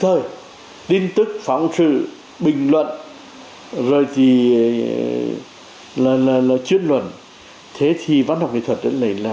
thời tin tức phóng sự bình luận rồi thì là chuyên luận thế thì văn học nghệ thuật đến đây là